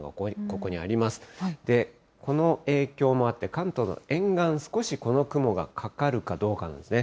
この影響もあって、関東の沿岸、少しこの雲がかかるかどうかなんですね。